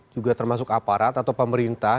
juga termasuk aparat atau pemerintah